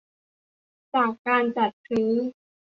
จากการจัดซื้อ